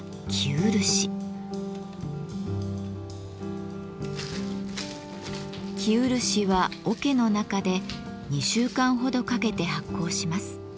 生漆はおけの中で２週間ほどかけて発酵します。